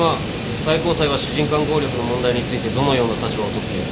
最高裁は私人間効力の問題についてどのような立場をとっている？